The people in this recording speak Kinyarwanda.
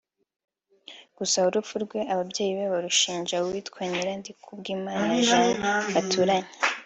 gusa urupfu rwe ababyeyi be barushinja uwitwa Nyirandikubwimana Jeanne baturanye